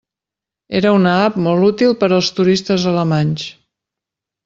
Era una app molt útil per als turistes alemanys.